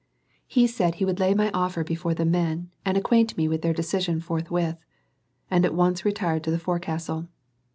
He said he would lay my offer before the men, and acquaint me with their decision forthwith; and at once retired to the forecastle.